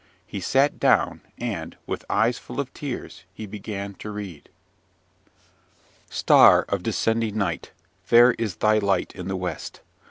He sat down; and, with eyes full of tears, he began to read. "Star of descending night! fair is thy light in the west!